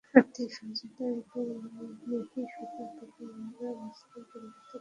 আর্থিক সহায়তা এবং মিহি সুতা পেলে আমরা মসলিন তৈরি করতে পারব।